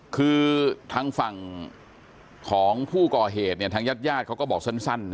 คือทั้งฝั่งของผู้ก่อเหตุเนี่ยทางญาติเขาก็บอกสั้น